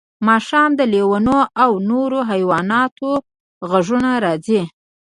ماښام د لیوانو او نورو حیواناتو غږونه راځي